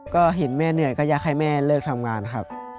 ก็เห็นแม่เหนื่อยก็อยากให้แม่เลิกทำงานครับ